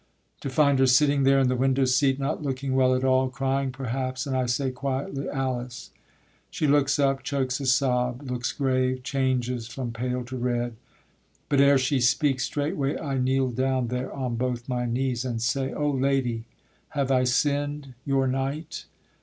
To find her sitting there, In the window seat, not looking well at all, Crying perhaps, and I say quietly: Alice! she looks up, chokes a sob, looks grave, Changes from pale to red, but, ere she speaks, Straightway I kneel down there on both my knees, And say: O lady, have I sinn'd, your knight?